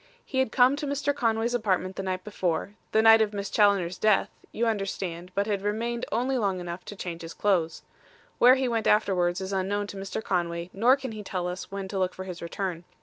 He had come to Mr. Conway's apartment the night before the night of Miss Challoner's death, you understand but had remained only long enough to change his clothes. Where he went afterwards is unknown to Mr. Conway, nor can he tell us when to look for his return.